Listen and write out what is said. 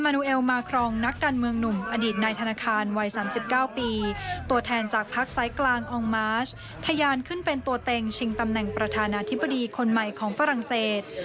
นูเอลมาครองนักการเมืองหนุ่มอดีตนายธนาคารวัย๓๙ปีตัวแทนจากพักไซส์กลางอองมาชทะยานขึ้นเป็นตัวเต็งชิงตำแหน่งประธานาธิบดีคนใหม่ของฝรั่งเศส